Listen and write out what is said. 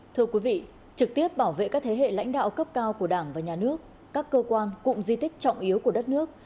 thưa quý vị trực tiếp bảo vệ các thế hệ lãnh đạo cấp cao của đảng và nhà nước các cơ quan cụm di tích trọng yếu của đất nước